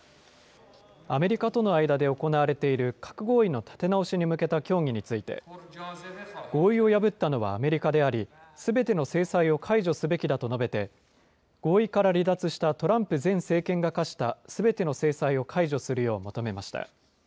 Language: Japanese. アメリカとの間で行われている核合意の立て直しに向けた協議について、合意を破ったのはアメリカであり、すべての制裁を解除すべきだと述べて、合意から離脱したトランプ前政権が科したすべての制裁を解除するよう求めました。